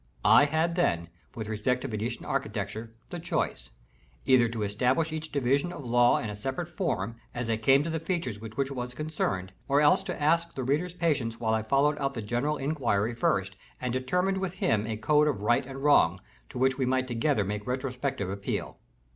I had then, with respect to Venetian architecture, the choice, either to establish each division of law in a separate form, as I came to the features with which it was concerned, or else to ask the reader's patience, while I followed out the general inquiry first, and determined with him a code of right and wrong, to which we might together make retrospective appeal.